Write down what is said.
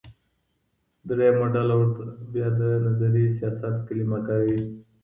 درېيمه ډله ورته بيا د نظري سياست کليمه کاروي.